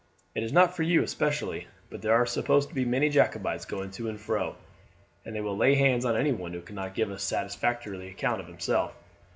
It is not for you especially, but there are supposed to be many Jacobites going to and fro, and they will lay hands on anyone who cannot give a satisfactory account of himself.